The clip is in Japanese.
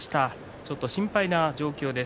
ちょっと心配な状況です。